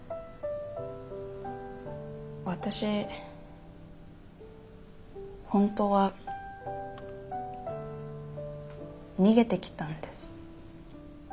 私本当は逃げてきたんです。